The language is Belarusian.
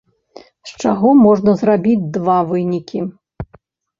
З чаго можна зрабіць два вынікі.